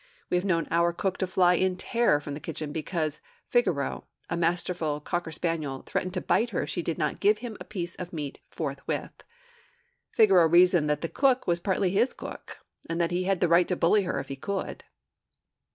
We have known our cook to fly in terror from the kitchen because Figaro, a masterful cocker spaniel, threatened to bite her if she did not give him a piece of meat forthwith. Figaro reasoned that the cook was partly his cook, and that he had a right to bully her if he could.